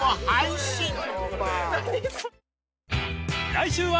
［来週は］